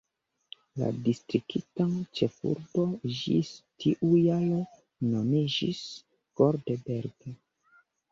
La distrikta ĉefurbo ĝis tiu jaro nomiĝis "Goldberg".